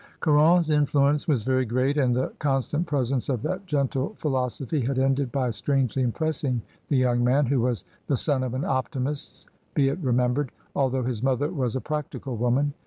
Caron's influence was very great, and the con stant presence of that gentle philosophy had ended by strangely impressing the young man, who was the son of an optimist be it remembered, although his mother was a practical woman.